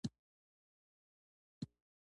چې لومړۍ خور رانوې شي؛ کابل ته به ولاړ شو.